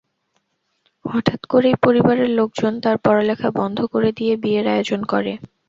হঠাৎ করেই পরিবারের লোকজন তার পড়ালেখা বন্ধ করে দিয়ে বিয়ের আয়োজন করে।